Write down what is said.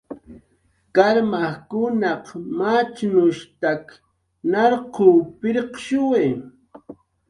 Karmajkunaq machnushtak narquw pirqshuwi